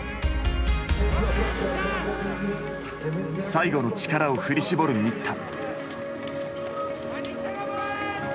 最後の力を振り絞る新田。